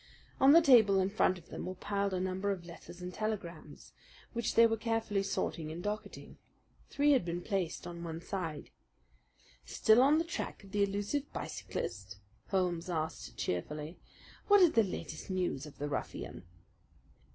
On the table in front of them were piled a number of letters and telegrams, which they were carefully sorting and docketing. Three had been placed on one side. "Still on the track of the elusive bicyclist?" Holmes asked cheerfully. "What is the latest news of the ruffian?"